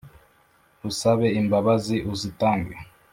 usabe imbabazi uzitange